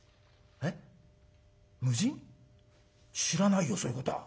知らないよそういうことは。